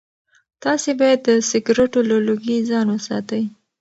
تاسي باید د سګرټو له لوګي ځان وساتئ.